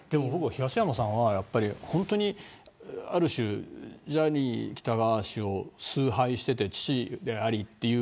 東山さんは、ある種ジャニー喜多川氏を崇拝していて、父でありという。